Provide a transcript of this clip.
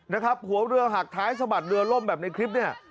นะครับหัวเรือหักท้ายสะบัดเรือล่มแบบในคลิปเนี่ย